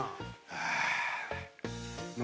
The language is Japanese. ああ。